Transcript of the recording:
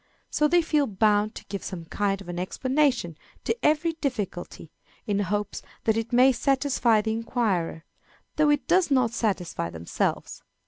So they feel bound to give some kind of an explanation to every difficulty, in hopes that it may satisfy the inquirer, though it does not satisfy themselves.